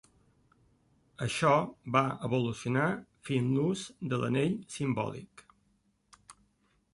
Això va evolucionar fins l'ús de l'anell simbòlic.